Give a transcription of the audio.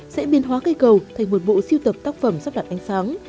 sẽ biên hóa cây cầu thành một bộ siêu tập tác phẩm sắp đặt ánh sáng